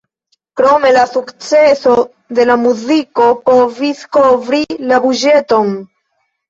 Krome, la sukceso de la muziko povis kovri la buĝeton.